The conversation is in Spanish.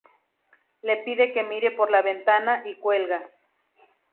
Le pide que mire por la ventana y cuelga.